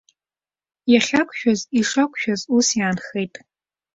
Иахьақәшәаз, ишақәшәаз ус иаанхеит.